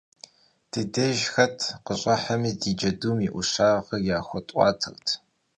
Di dêjj xet khış'ıhemi, di cedum yi 'uşağır yaxuet'uatert.